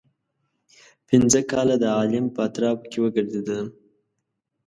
پنځه کاله د عالم په اطرافو کې وګرځېدم.